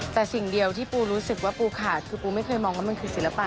แต่สิ่งเดียวที่ปูรู้สึกว่าปูขาดคือปูไม่เคยมองว่ามันคือศิลปะ